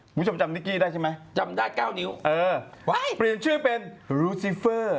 คุณผู้ชมจำนิกกี้ได้ใช่ไหมจำได้๙นิ้วเออเปลี่ยนชื่อเป็นรูซิเฟอร์